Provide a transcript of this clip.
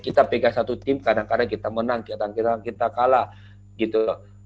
kita pegang satu tim kadang kadang kita menang kadang kadang kita kalah gitu